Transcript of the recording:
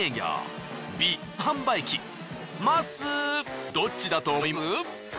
まっすーどっちだと思います？